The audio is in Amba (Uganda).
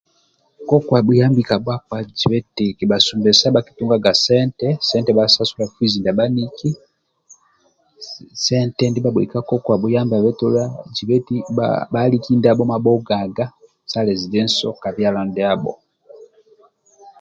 Koko abhuyambi bhakpa jiba eti kabhasumbesa bhakitungaga sente sente basasula fizi ndia bhaniki sente ndia bhabhoi ka koko abhuyambabe jiba eti bha aliki ndabho mabhongaga sa lezidenso ka byalo ndiabho